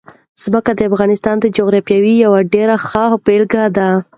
ځمکه د افغانستان د جغرافیې یوه ډېره ښه بېلګه ده.